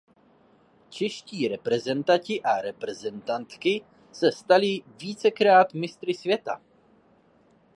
Čeští reprezentanti a reprezentantky se stali vícekrát mistry světa.